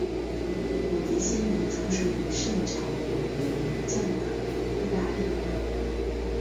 古迪仙尼出生于盛产有名门将的意大利。